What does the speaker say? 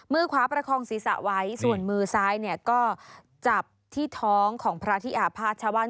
มือขวาประคองศีรษะไว้ส่วนมือซ้ายก็จับที่ท้องของพระทิอาพาทชาวัน